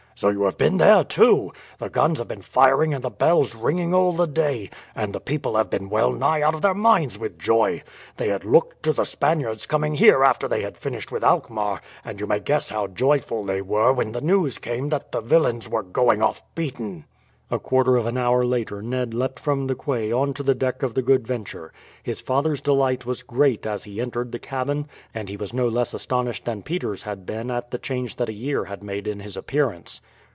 "So you have been there too? The guns have been firing and the bells ringing all the day, and the people have been well nigh out of their minds with joy. They had looked to the Spaniards coming here after they had finished with Alkmaar, and you may guess how joyful they were when the news came that the villains were going off beaten." A quarter of an hour later Ned leapt from the quay on to the deck of the Good Venture. His father's delight was great as he entered the cabin, and he was no less astonished than Peters had been at the change that a year had made in his appearance.